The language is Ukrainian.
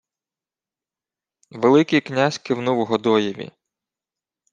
Великий князь кивнув Годоєві: